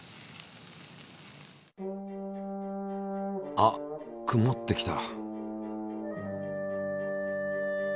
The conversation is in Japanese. あっくもってきた！